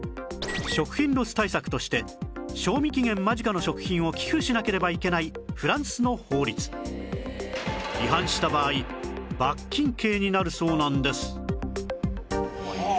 食品ロス対策として賞味期限間近の食品を寄付しなければいけないフランスの法律違反した場合罰金刑になるそうなんですはあ。